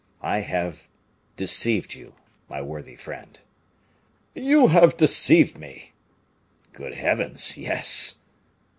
I have deceived you, my worthy friend." "You have deceived me!" "Good Heavens! yes."